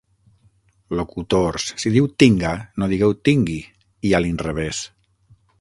Locutors, si diu 'tinga' no digueu 'tingui', i a l'inrevès.